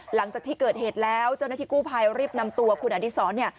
หลังจากที่เกิดเหตุแล้วเจ้าหน้าที่กู้ภัยรีบนำตัวคุณอดีศรเนี่ย